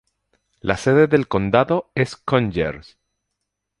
La sede del condado es Conyers.